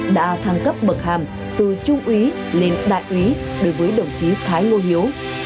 đã thăng cấp bậc hàm từ trung úy lên đại úy đối với đồng chí thái ngô hiếu